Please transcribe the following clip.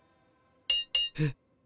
えっ。